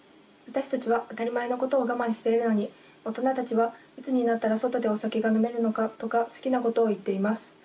私たちは当たり前のことを我慢しているのに大人たちはいつになったら外でお酒が飲めるのかとか好きなことを言っています。